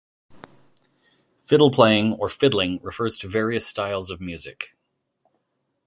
Fiddle playing, or fiddling, refers to various styles of music.